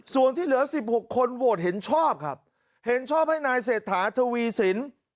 ส่วนที่เหลือ๑๖คนโหวตเห็นชอบครับเห็นชอบให้นายเศรษฐาทวีสิน